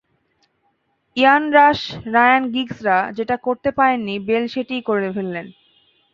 ইয়ান Rush, Ryan গিগসরা যেটা করতে পারেননি, বেল সেটিই করে ফেললেন।